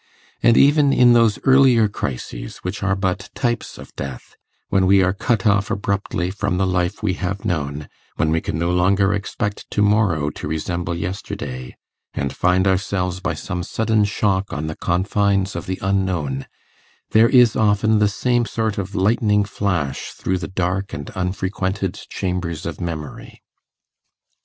And even in those earlier crises, which are but types of death when we are cut off abruptly from the life we have known, when we can no longer expect to morrow to resemble yesterday, and find ourselves by some sudden shock on the confines of the unknown there is often the same sort of lightning flash through the dark and unfrequented chambers of memory.